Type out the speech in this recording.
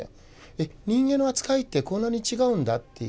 えっ人間の扱いってこんなに違うんだっていう。